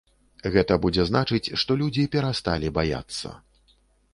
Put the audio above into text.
Гэта будзе значыць, што людзі перасталі баяцца.